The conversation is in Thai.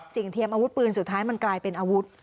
เทียมอาวุธปืนสุดท้ายมันกลายเป็นอาวุธ